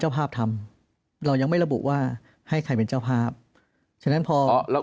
เจ้าภาพธรรมเรายังไม่ระบุว่าให้ใครเป็นเจ้าภาพฉะนั้นพอแล้ว